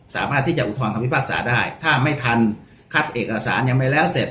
สามารถที่จะอุทธรณคำพิพากษาได้ถ้าไม่ทันคัดเอกสารยังไม่แล้วเสร็จ